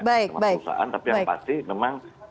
sama perusahaan tapi yang pasti memang